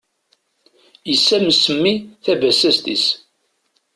Yessames mmi tabasast-is.